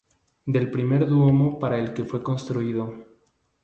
Del primer duomo para el que fue construido.